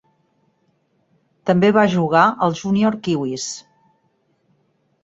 També va jugar als Junior Kiwis.